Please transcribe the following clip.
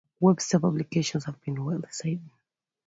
Webster’s publications have been widely cited.